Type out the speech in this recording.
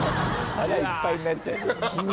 腹いっぱいになっちゃいそう。